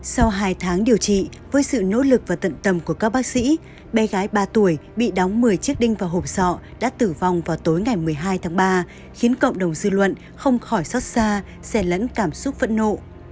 sau hai tháng điều trị với sự nỗ lực và tận tâm của các bác sĩ bé gái ba tuổi bị đóng một mươi chiếc đinh và hộp sọ đã tử vong vào tối ngày một mươi hai tháng ba khiến cộng đồng dư luận không khỏi xót xa lẫn cảm xúc phẫn nộ